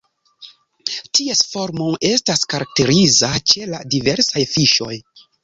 Ties formo estas karakteriza ĉe la diversaj fiŝoj.